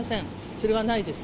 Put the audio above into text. それはないです。